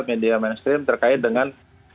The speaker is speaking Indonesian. media mainstream terkait dengan